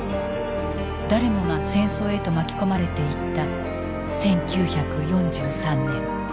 誰もが戦争へと巻き込まれていった１９４３年。